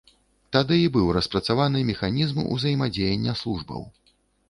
Тады і быў распрацаваны механізм узаемадзеяння службаў.